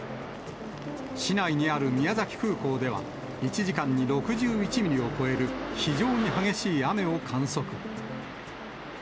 市内にある宮崎空港では、１時間に６１ミリを超える非常に激しい雨を観測。